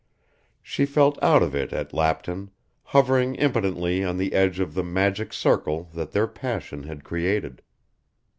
She felt out of it at Lapton, hovering impotently on the edge of the magic circle that their passion had created.